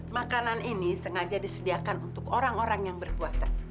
makanan ini sengaja disediakan untuk orang orang yang berpuasa